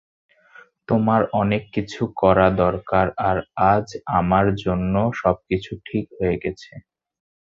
তোমার অনেক কিছু করা দরকার আর আজ আমার জন্য সবকিছু ঠিক হয়ে গেছে।